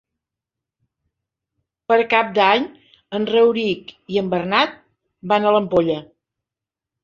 Per Cap d'Any en Rauric i en Bernat van a l'Ampolla.